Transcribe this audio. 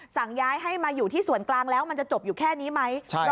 สั่งย้ายให้มาอยู่ที่ส่วนกลางแล้วมันจะจบอยู่แค่นี้ไหม